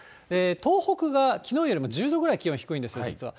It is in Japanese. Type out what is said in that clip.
東北がきのうよりも１０度ぐらい気温低いんですよ、実は。